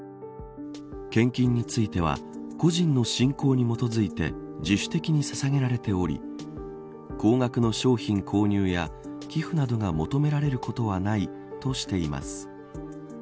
献金については個人の信仰に基づいて自主的にささげられており高額の商品購入や寄付などが求められることはないとしています。